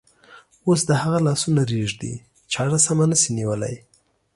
اوس د هغه لاسونه رېږدي، چاړه سمه نشي نیولی.